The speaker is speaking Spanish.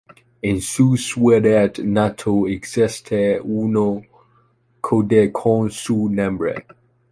En su ciudad natal existe una calle con su nombre.